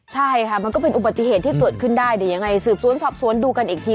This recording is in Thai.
ใช่ค่ะมันก็เป็นอุบัติเหตุที่เกิดขึ้นได้เดี๋ยวยังไงสืบสวนสอบสวนดูกันอีกที